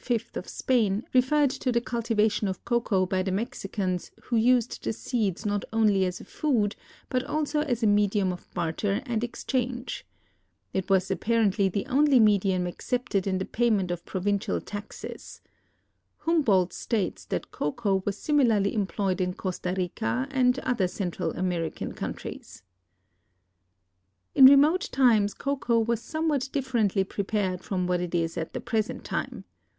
of Spain referred to the cultivation of cocoa by the Mexicans who used the seeds not only as a food but also as a medium of barter and exchange. It was apparently the only medium accepted in the payment of provincial taxes. Humboldt states that cocoa was similarly employed in Costa Rica and other Central American countries. In remote times cocoa was somewhat differently prepared from what it is at the present time.